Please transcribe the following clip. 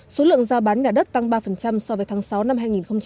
số lượng ra bán nhà đất tăng ba so với tháng sáu năm hai nghìn hai mươi